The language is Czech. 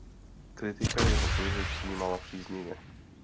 Kritika jeho knihy přijímala příznivě.